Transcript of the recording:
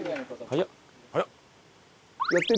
早っ！